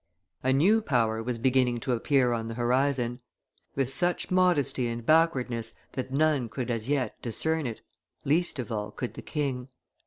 A new power was beginning to appear on the horizon, with such modesty and backwardness that none could as yet discern it, least of all could the king.